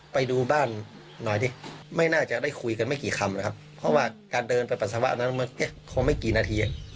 เป็นการตั้งใจมายิงอย่างนี้ครับ